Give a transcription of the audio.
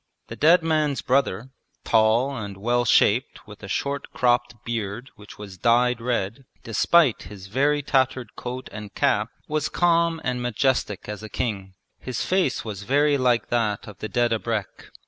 The dead man's brother, tall and well shaped with a short cropped beard which was dyed red, despite his very tattered coat and cap was calm and majestic as a king. His face was very like that of the dead abrek.